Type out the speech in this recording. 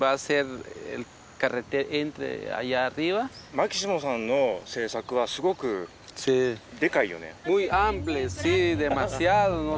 マキシモさんの政策はすごくでかいよね？